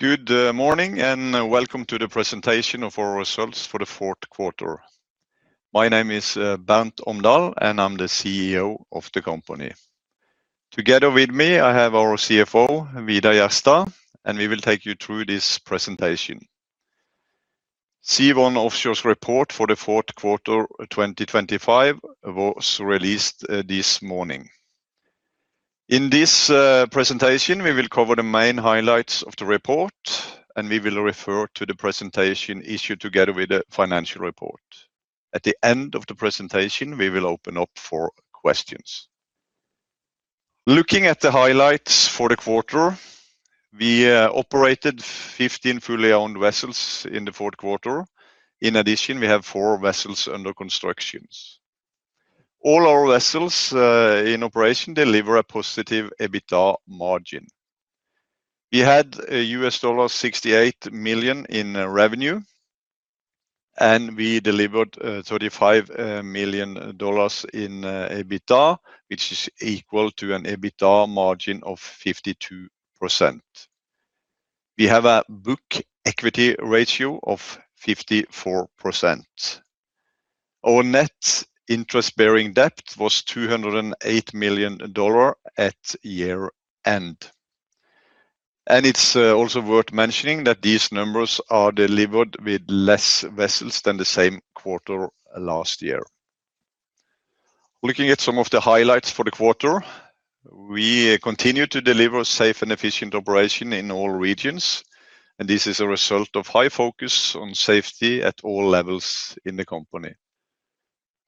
Good morning, and welcome to the presentation of our results for the fourth quarter. My name is Bernt Omdal, and I'm the CEO of the company. Together with me, I have our CFO, Vidar Jerstad, and we will take you through this presentation. Sea1 Offshore's report for the fourth quarter 2025 was released this morning. In this presentation, we will cover the main highlights of the report, and we will refer to the presentation issued together with the financial report. At the end of the presentation, we will open up for questions. Looking at the highlights for the quarter, we operated 15 fully owned vessels in the fourth quarter. In addition, we have four vessels under construction. All our vessels in operation deliver a positive EBITDA margin. We had $68 million in revenue, and we delivered $35 million in EBITDA, which is equal to an EBITDA margin of 52%. We have a book equity ratio of 54%. Our net interest-bearing debt was $208 million at year-end. It's also worth mentioning that these numbers are delivered with less vessels than the same quarter last year. Looking at some of the highlights for the quarter, we continue to deliver safe and efficient operation in all regions, and this is a result of high focus on safety at all levels in the company.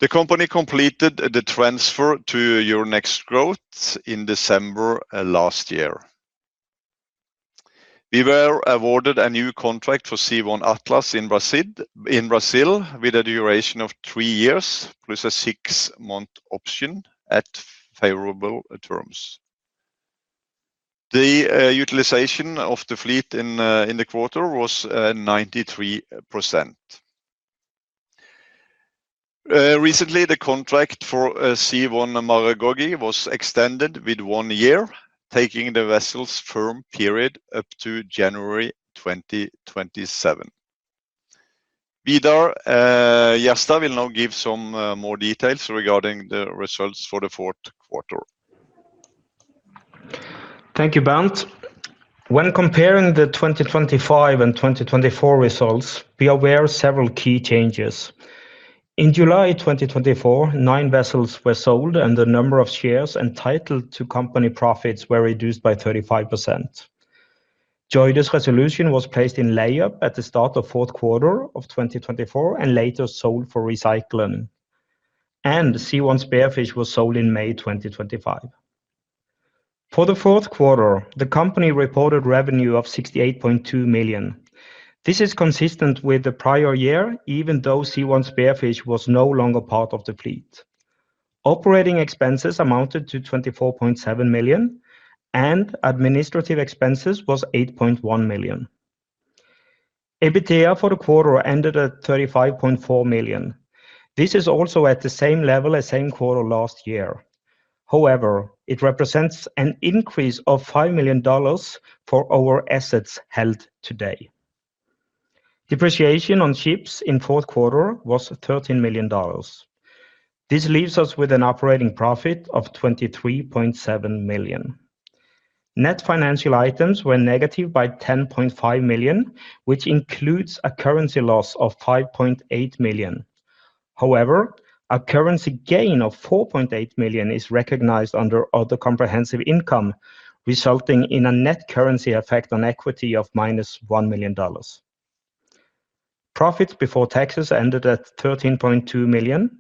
The company completed the transfer to Euronext Growth in December last year. We were awarded a new contract for Sea1 Atlas in Brazil, in Brazil, with a duration of three years, plus a six-month option at favorable terms. The utilization of the fleet in the quarter was 93%. Recently, the contract for Sea1 Maragogi was extended with one year, taking the vessel's firm period up to January 2027. Vidar Jerstad will now give some more details regarding the results for the fourth quarter. Thank you, Bernt. When comparing the 2025 and 2024 results, be aware of several key changes. In July 2024, nine vessels were sold, and the number of shares entitled to company profits were reduced by 35%. JOIDES Resolution was placed in layup at the start of fourth quarter of 2024 and later sold for recycling, and Sea1 Spearfish was sold in May 2025. For the fourth quarter, the company reported revenue of $68.2 million. This is consistent with the prior year, even though Sea1 Spearfish was no longer part of the fleet. Operating expenses amounted to $24.7 million, and administrative expenses was $8.1 million. EBITDA for the quarter ended at $35.4 million. This is also at the same level as same quarter last year. However, it represents an increase of $5 million for our assets held today. Depreciation on ships in fourth quarter was $13 million. This leaves us with an operating profit of $23.7 million. Net financial items were negative by $10.5 million, which includes a currency loss of $5.8 million. However, a currency gain of $4.8 million is recognized under other comprehensive income, resulting in a net currency effect on equity of -$1 million. Profits before taxes ended at $13.2 million.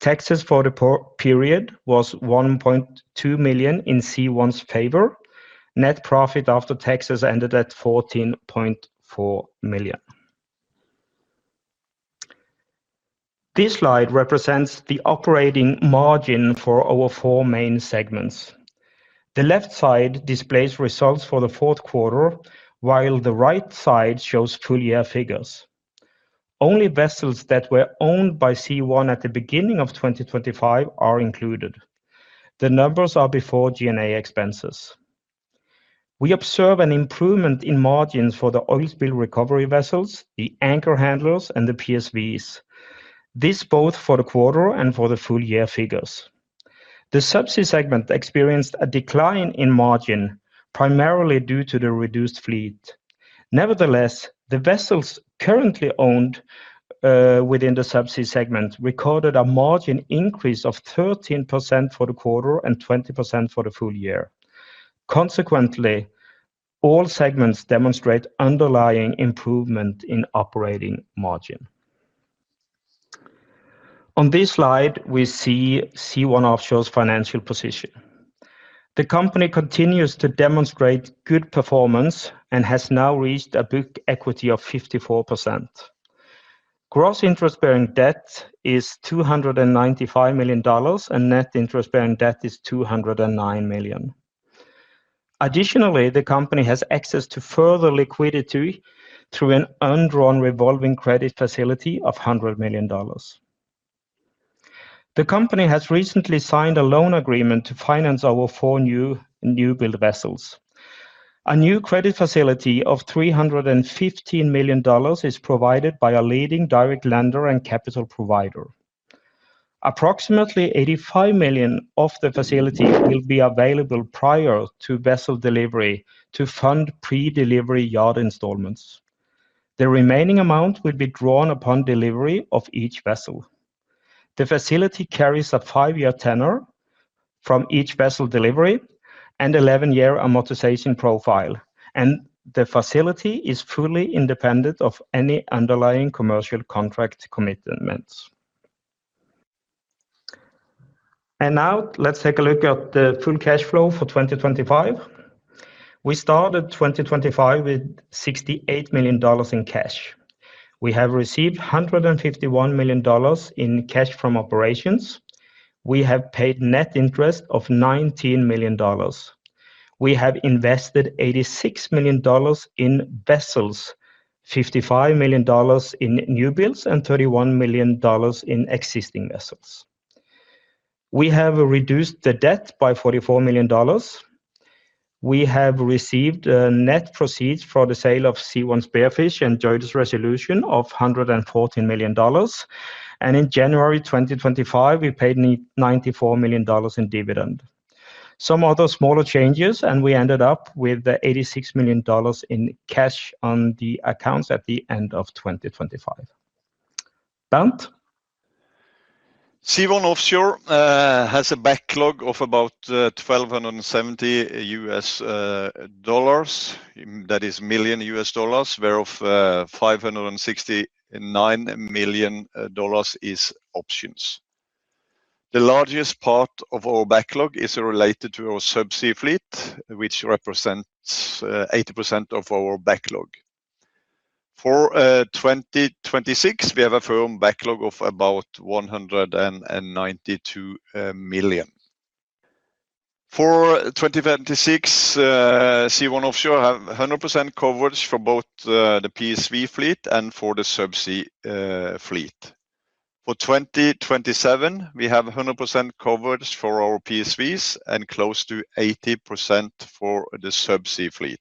Taxes for the period was $1.2 million in Sea1's favor. Net profit after taxes ended at $14.4 million. This slide represents the operating margin for our four main segments. The left side displays results for the fourth quarter, while the right side shows full-year figures. Only vessels that were owned by Sea1 at the beginning of 2025 are included. The numbers are before G&A expenses. We observe an improvement in margins for the oil spill recovery vessels, the anchor handlers, and the PSVs. This both for the quarter and for the full year figures. The subsea segment experienced a decline in margin, primarily due to the reduced fleet. Nevertheless, the vessels currently owned within the subsea segment recorded a margin increase of 13% for the quarter and 20% for the full year. Consequently, all segments demonstrate underlying improvement in operating margin. On this slide, we see Sea1 Offshore's financial position. The company continues to demonstrate good performance and has now reached a book equity of 54%. Gross interest-bearing debt is $295 million, and net interest-bearing debt is $209 million. Additionally, the company has access to further liquidity through an undrawn revolving credit facility of $100 million. The company has recently signed a loan agreement to finance our four new, new build vessels. A new credit facility of $315 million is provided by a leading direct lender and capital provider. Approximately $85 million of the facility will be available prior to vessel delivery to fund pre-delivery yard installments. The remaining amount will be drawn upon delivery of each vessel. The facility carries a five-year tenor from each vessel delivery and 11-year amortization profile, and the facility is fully independent of any underlying commercial contract commitments. And now let's take a look at the full cash flow for 2025. We started 2025 with $68 million in cash. We have received $151 million in cash from operations. We have paid net interest of $19 million. We have invested $86 million in vessels, $55 million in new builds, and $31 million in existing vessels. We have reduced the debt by $44 million. We have received net proceeds for the sale of Sea1 Spearfish and JOIDES Resolution of $114 million. And in January 2025, we paid $94 million in dividend. Some other smaller changes, and we ended up with $86 million in cash on the accounts at the end of 2025. Bernt? Sea1 Offshore has a backlog of about $1,270 million, whereof $569 million is options. The largest part of our backlog is related to our subsea fleet, which represents 80% of our backlog. For 2026, we have a firm backlog of about $192 million. For 2026, Sea1 Offshore has 100% coverage for both the PSV fleet and for the subsea fleet. For 2027, we have 100% coverage for our PSVs and close to 80% for the subsea fleet.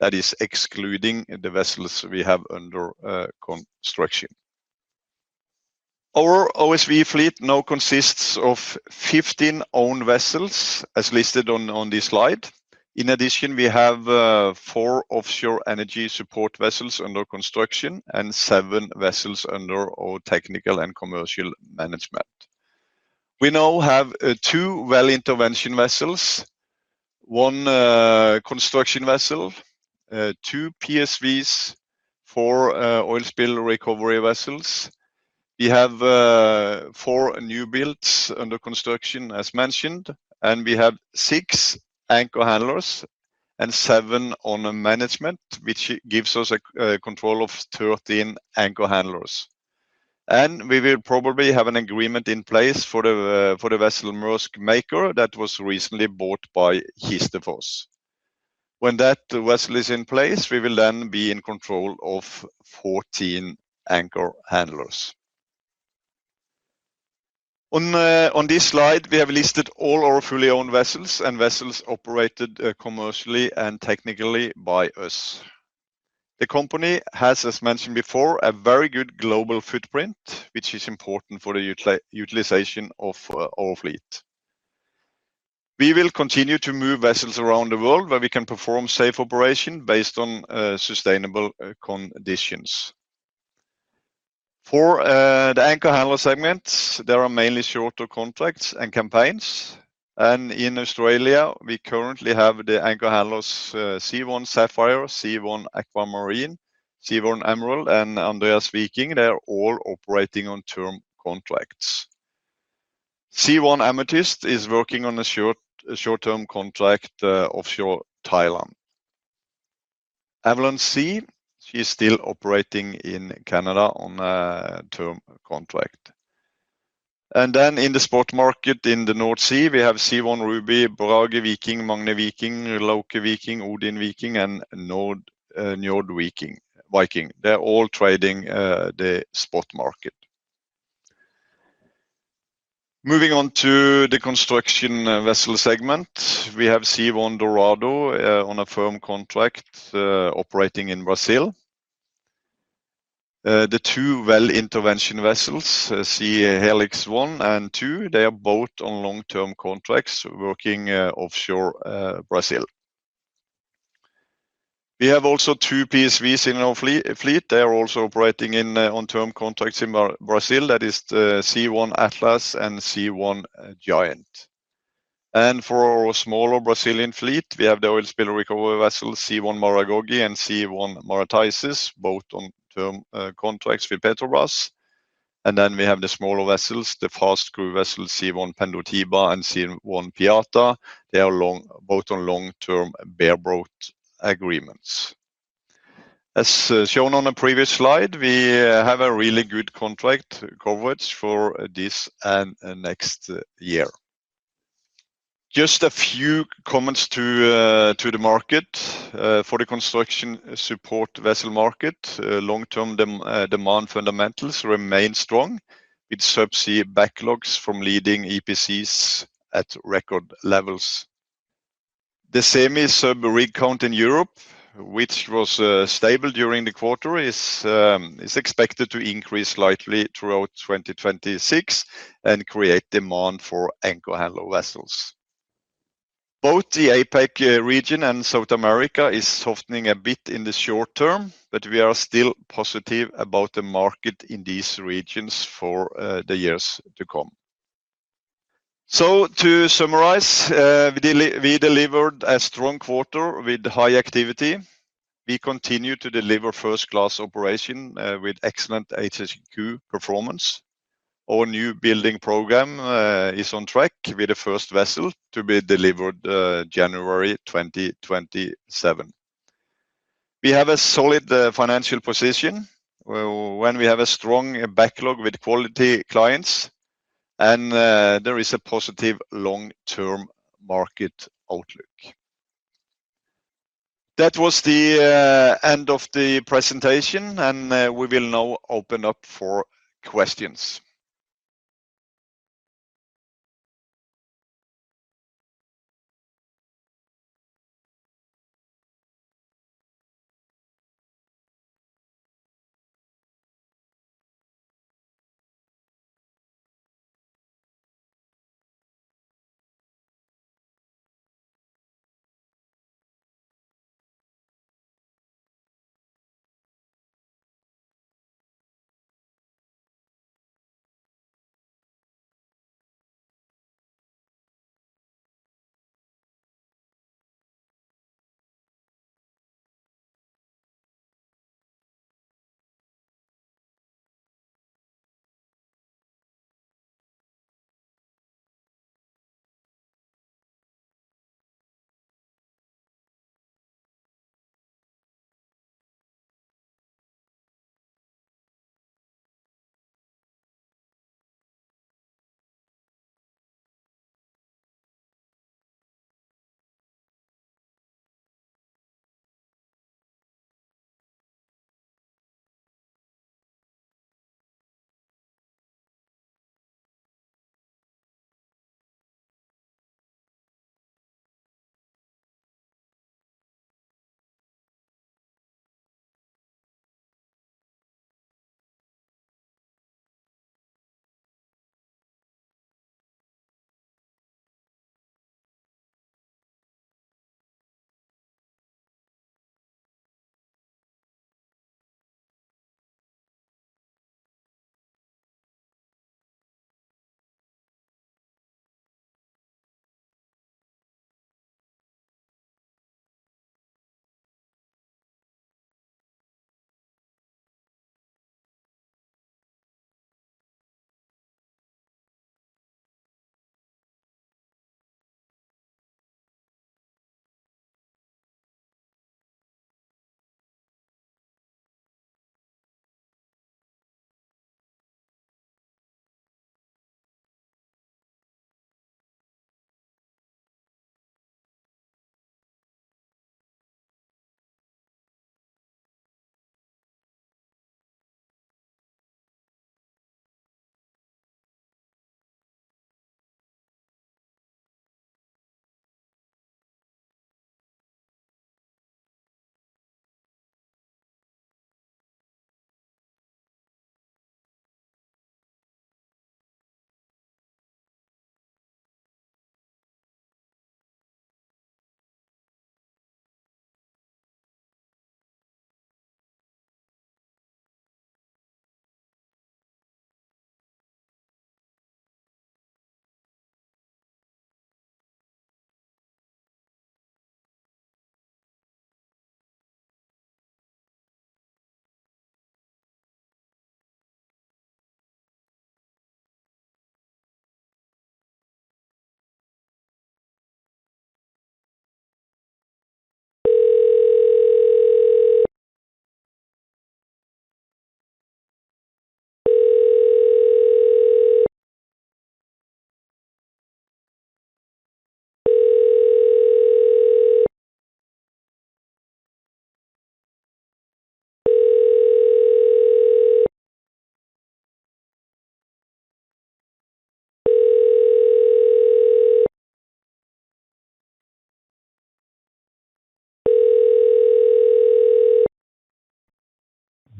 That is excluding the vessels we have under construction. Our OSV fleet now consists of 15 owned vessels, as listed on this slide. In addition, we have four offshore energy support vessels under construction and seven vessels under our technical and commercial management. We now have two well intervention vessels, one construction vessel, two PSVs, four oil spill recovery vessels. We have four new builds under construction, as mentioned, and we have six anchor handlers and seven on a management, which gives us a control of 13 anchor handlers. And we will probably have an agreement in place for the vessel Maersk Maker that was recently bought by Kistefos. When that vessel is in place, we will then be in control of 14 anchor handlers. On this slide, we have listed all our fully owned vessels and vessels operated commercially and technically by us. The company has, as mentioned before, a very good global footprint, which is important for the utilization of our fleet. We will continue to move vessels around the world where we can perform safe operation based on sustainable conditions. For the anchor handler segments, there are mainly shorter contracts and campaigns, and in Australia, we currently have the anchor handlers Sea1 Sapphire, Sea1 Aquamarine, Sea1 Emerald, and Andreas Viking; they are all operating on term contracts. Sea1 Amethyst is working on a short-term contract offshore Thailand. Avalon Sea, she is still operating in Canada on a term contract. And then in the spot market, in the North Sea, we have Sea1 Ruby, Brage Viking, Magne Viking, Loki Viking, Odin Viking, and Njord Viking. They're all trading the spot market. Moving on to the construction vessel segment, we have Sea1 Dorado on a firm contract operating in Brazil. The two well intervention vessels, Siem Helix 1 and 2, they are both on long-term contracts, working offshore Brazil. We have also two PSVs in our fleet. They are also operating in on term contracts in Brazil, that is the Sea1 Atlas and Sea1 Giant. And for our smaller Brazilian fleet, we have the oil spill recovery vessel, Sea1 Maragogi and Sea1 Marataízes, both on term contracts with Petrobras. And then we have the smaller vessels, the fast crew vessels, Sea1 Pendotiba and Sea1 Piratá. They are both on long-term bareboat agreements. As shown on a previous slide, we have a really good contract coverage for this and next year. Just a few comments to the market. For the construction support vessel market, long-term demand fundamentals remain strong, with subsea backlogs from leading EPCs at record levels. The same is semisub rig count in Europe, which was stable during the quarter, is expected to increase slightly throughout 2026 and create demand for anchor handling vessels. Both the APAC region and South America is softening a bit in the short term, but we are still positive about the market in these regions for the years to come. So to summarize, we delivered a strong quarter with high activity. We continue to deliver first-class operation with excellent HSEQ performance. Our new building program is on track, with the first vessel to be delivered January 2027. We have a solid financial position, when we have a strong backlog with quality clients and there is a positive long-term market outlook. That was the end of the presentation, and we will now open up for questions.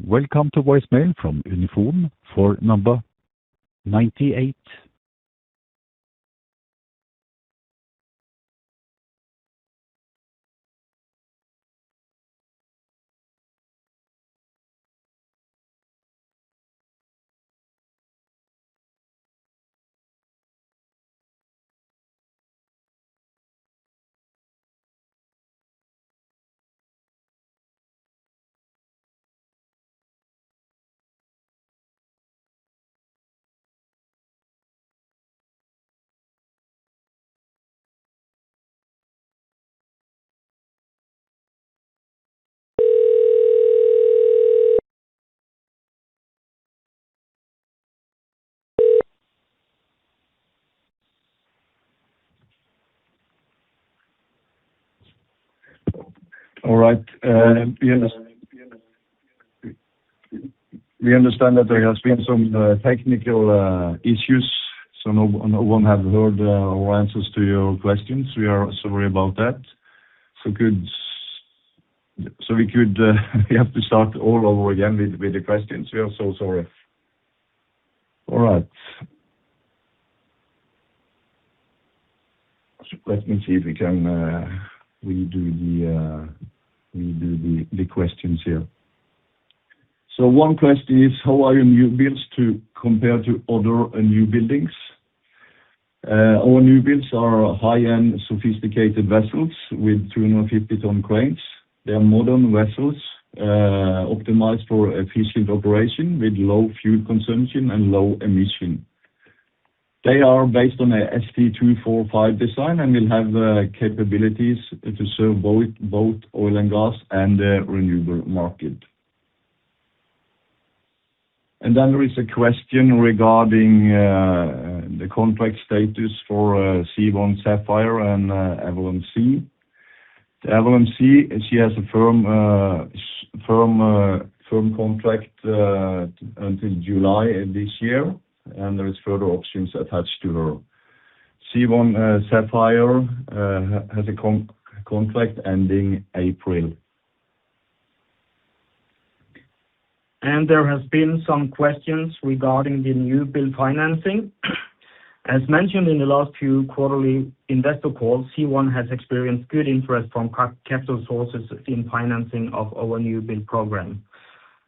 Welcome to voicemail from Unifon for number 98. All right, we understand that there has been some technical issues, so no one have heard our answers to your questions. We are sorry about that. So we could, we have to start all over again with the questions. We are so sorry. All right. So let me see if we can redo the questions here. So one question is: How are your new builds to compare to other new buildings? Our new builds are high-end, sophisticated vessels with 250-ton cranes. They are modern vessels, optimized for efficient operation, with low fuel consumption and low emission. They are based on a ST-245 design and will have capabilities to serve both, both oil and gas and the renewable market. And then there is a question regarding the contract status for Sea1 Sapphire and Avalon Sea. The Avalon Sea, she has a firm contract until July of this year, and there is further options attached to her. Sea1 Sapphire has a contract ending April. There has been some questions regarding the new build financing. As mentioned in the last few quarterly investor calls, Sea1 Offshore has experienced good interest from capital sources in financing of our new build program.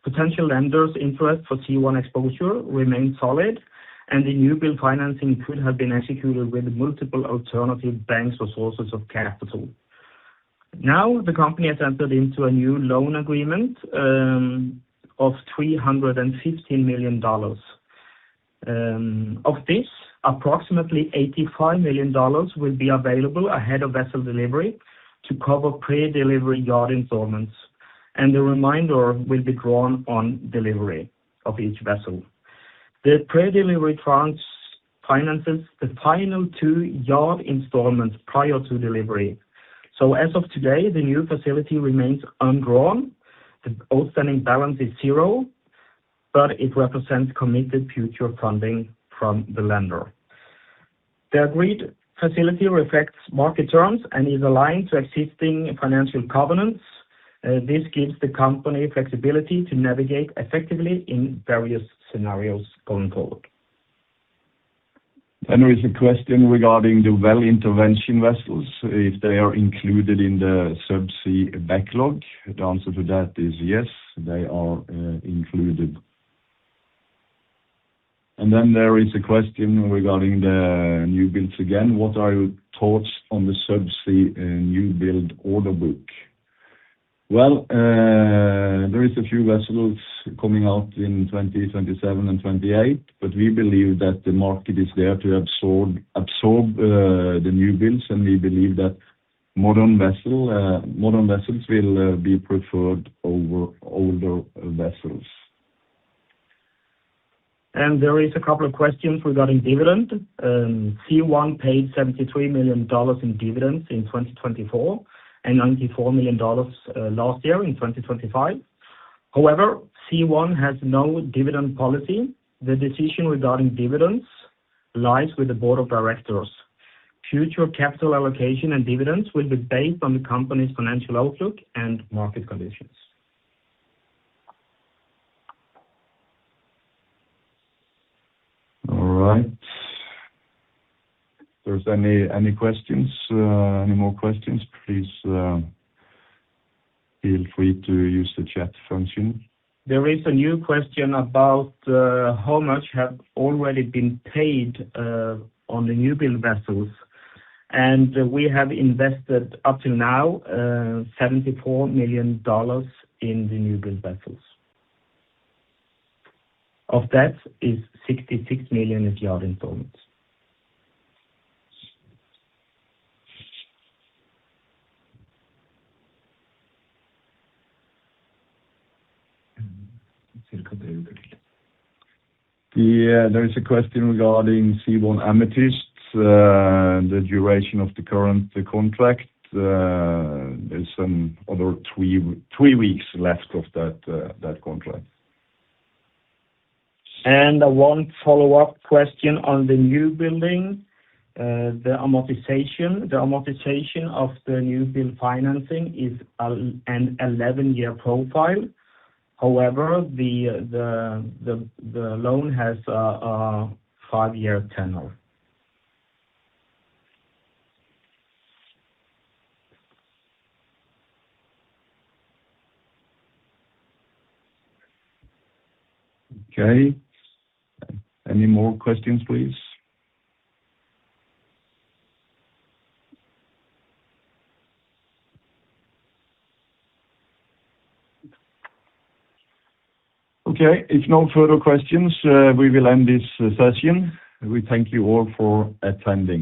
Potential lenders' interest for Sea1 Offshore exposure remains solid, and the new build financing could have been executed with multiple alternative banks or sources of capital. Now, the company has entered into a new loan agreement of $350 million. Of this, approximately $85 million will be available ahead of vessel delivery to cover pre-delivery yard installments, and the remainder will be drawn on delivery of each vessel. The pre-delivery tranche finances the final two yard installments prior to delivery. So as of today, the new facility remains undrawn. The outstanding balance is zero, but it represents committed future funding from the lender. The agreed facility reflects market terms and is aligned to existing financial covenants. This gives the company flexibility to navigate effectively in various scenarios going forward. There is a question regarding the well intervention vessels, if they are included in the subsea backlog. The answer to that is yes, they are included. Then there is a question regarding the new builds again. What are your thoughts on the subsea new build order book? Well, there are a few vessels coming out in 2027 and 2028, but we believe that the market is there to absorb the new builds, and we believe that modern vessels will be preferred over older vessels. There is a couple of questions regarding dividend. Sea1 paid $73 million in dividends in 2024 and $94 million last year, in 2025. However, Sea1 has no dividend policy. The decision regarding dividends lies with the board of directors. Future capital allocation and dividends will be based on the company's financial outlook and market conditions. All right. If there's any questions, any more questions, please, feel free to use the chat function. There is a new question about how much have already been paid on the new build vessels, and we have invested up to now $74 million in the new build vessels. Of that, $66 million is yard installments. Yeah, there is a question regarding Sea1 Amethyst, the duration of the current contract. There's some other three weeks left of that contract. One follow-up question on the newbuild, the amortization. The amortization of the newbuild financing is an 11-year profile. However, the loan has a five-year tenure. Okay. Any more questions, please? Okay, if no further questions, we will end this session. We thank you all for attending.